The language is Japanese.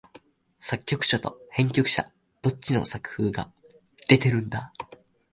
作曲者と編曲者、どっちの作風が出てるんだ？